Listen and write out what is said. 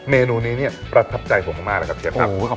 เมนูนี้เนี่ยประทับใจผมมากนะครับเชฟครับ